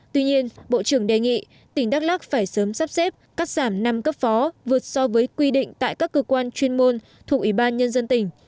tuy nhiên bộ trưởng đề nghị tỉnh đắk lắc phải sớm sắp xếp cắt giảm năm cấp phó vượt so với quy định tại các cơ quan chuyên môn thuộc ủy ban nhân dân tỉnh